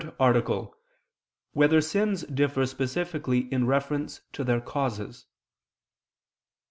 72, Art. 3] Whether Sins Differ Specifically in Reference to Their Causes?